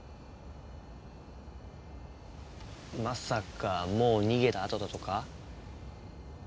まさかもう逃げたあとだとか？